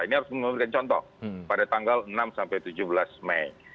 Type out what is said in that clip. ini harus memberikan contoh pada tanggal enam sampai tujuh belas mei